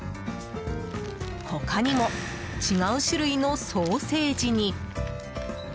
他にも違う種類のソーセージに。